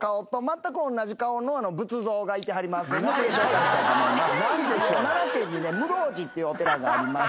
紹介したいと思います。